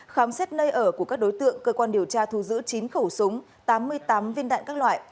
khám xét nơi ở của các đối tượng cơ quan điều tra thu giữ chín khẩu súng tám mươi tám viên đạn các loại